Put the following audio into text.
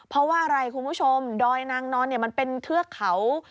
เพราะว่าอะไรคุณผู้ชมดอยนางนอนเนี่ยมันเป็นเทือกเขา